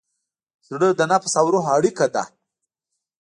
زړه د نفس او روح اړیکه ده.